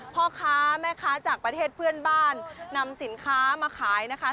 พ่อค้าแม่ค้าจากประเทศเพื่อนบ้านนำสินค้ามาขายนะคะ